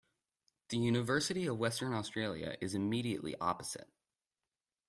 The University of Western Australia is immediately opposite.